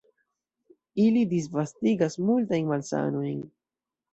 Ili disvastigas multajn malsanojn.